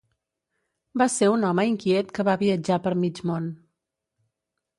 Va ser un home inquiet que va viatjar per mig món.